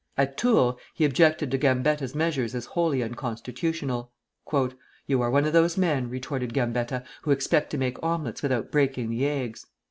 At Tours he objected to Gambetta's measures as wholly unconstitutional. "You are one of those men," retorted Gambetta, "who expect to make omelettes without breaking the eggs."